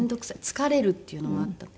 疲れるっていうのもあった。